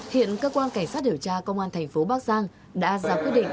hiện cơ quan cảnh sát điều tra công an tp bắc giang đã ra quyết định